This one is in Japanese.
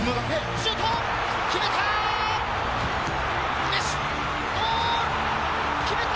シュート決めた。